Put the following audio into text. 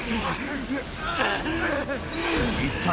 ［いったい］